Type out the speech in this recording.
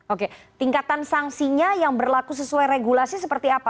oke tingkatan sanksinya yang berlaku sesuai regulasi seperti apa